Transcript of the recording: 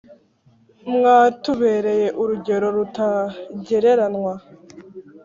mwatubereye urugero rutagereranywa